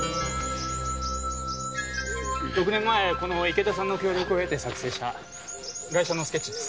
６年前この池田さんの協力を得て作成した外車のスケッチです。